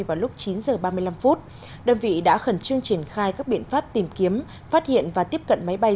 vào lúc chín h ba mươi năm đơn vị đã khẩn trương triển khai các biện pháp tìm kiếm phát hiện và tiếp cận máy bay